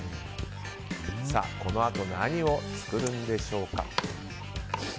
このあと何を作るんでしょうか。